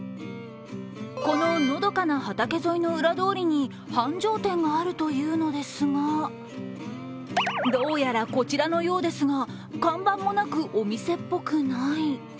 この、のどかな畑沿いの裏通りに、繁盛店があるというのですがどうやら、こちらのようですが看板もなくお店っぽくない。